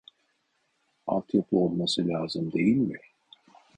Alt yapı olması lazım değil mi